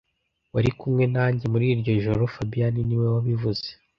Wari kumwe nanjye muri iryo joro fabien niwe wabivuze